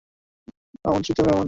তার পিতা ছিল আমন্ত্রিত মেহমান।